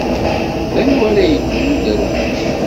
D anwa ara yeddun d uderwic?